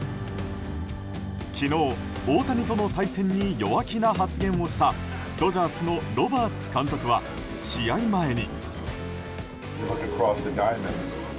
昨日、大谷との対戦に弱気な発言をしたドジャースのロバーツ監督は試合前に。